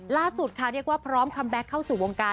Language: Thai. ล่าสุดค่ะเรียกว่าพร้อมคัมแบ็คเข้าสู่วงการ